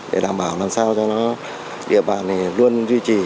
để đảm bảo làm sao cho nó địa bàn luôn duy trì